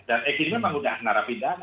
dan x ini memang udah narapidana